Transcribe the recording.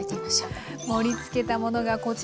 盛りつけたものがこちらです。